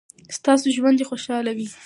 ستاسو ژوند دې خوشحاله وي.